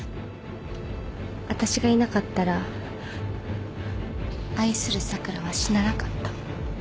私がいなかったら愛する咲良は死ななかった。